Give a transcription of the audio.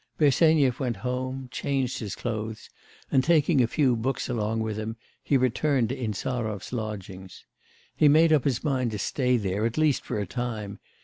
Bersenyev went home, changed his clothes, and, taking a few books along with him, he returned to Insarov's lodgings. He made up his mind to stay there, at least for a time.